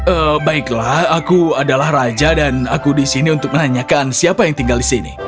eee baiklah aku adalah raja dan aku di sini untuk menanyakan siapa yang tinggal di sini